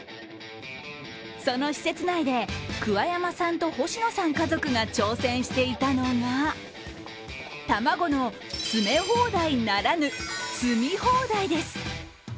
その施設内で桑山さんと星野さん家族が挑戦していたのが卵の詰め放題ならぬ積み放題です。